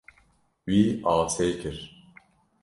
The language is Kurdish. Wî asê kir.